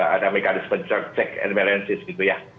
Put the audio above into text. ada mekanisme check and balances gitu ya